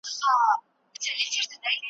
دغه مڼه په رښتیا ډېره خوندوره ده.